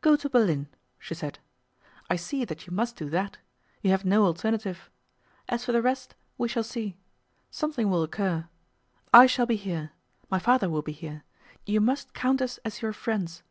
'Go to Berlin,' she said. 'I see that you must do that; you have no alternative. As for the rest, we shall see. Something will occur. I shall be here. My father will be here. You must count us as your friends.